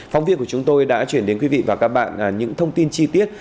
phóng viên của chúng tôi đã chuyển đến quý vị và các bạn những thông tin chi tiết